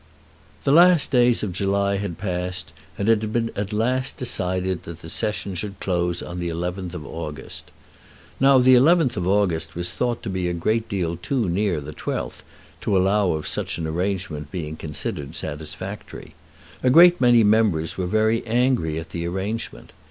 The last days of July had passed, and it had been at last decided that the Session should close on the 11th of August. Now the 11th of August was thought to be a great deal too near the 12th to allow of such an arrangement being considered satisfactory. A great many members were very angry at the arrangement.